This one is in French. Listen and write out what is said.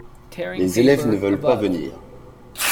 Les élèves ne veulent pas venir.